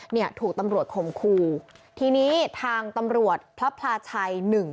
เนี่ยถูกตำรวจข่มครูทีนี้ทางตำรวจพระพลาชัยหนึ่ง